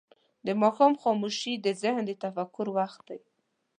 د ماښام خاموشي د ذهن د تفکر وخت دی.